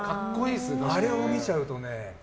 あれを見ちゃうとね。